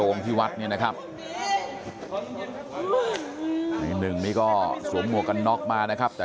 ในนึงพี่หวัดเนี่ยนะครับสวมมวกกันน๊อกมานะครับ